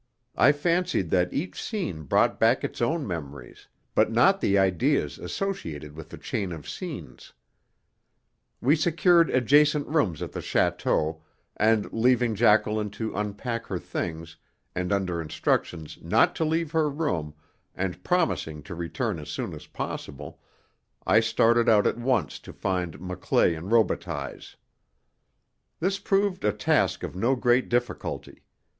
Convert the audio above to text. I fancied that each scene brought back its own memories, but not the ideas associated with the chain of scenes. We secured adjacent rooms at the château, and leaving Jacqueline to unpack her things, and under instructions not to leave her room and promising to return as soon as possible, I started out at once to find Maclay & Robitaille's. This proved a task of no great difficulty.